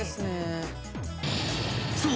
［そう。